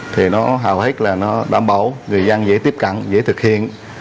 thì nó hào hức là nó đảm bảo người dân dễ tiếp cận dễ thực hiện